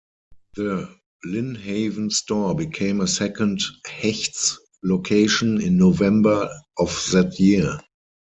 The Lynnhaven store became a second Hecht's location in November of that year.